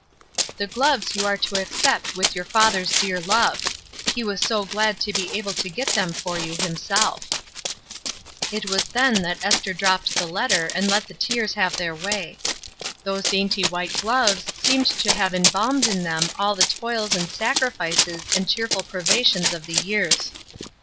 ''The gloves you are to accept with your father's dear love; he was so glad to be able to get them for you himself." It was then that Esther dropped the letter Sb^ _.. 294 ESTER RIED^S NAMESAKE and let the tears have their way. Those dainty white gloves seemed to have embalmed in them all the toils and sacrifices and cheerful privations of the years.